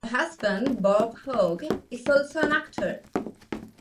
Her husband, Bob Hoge, is also an actor.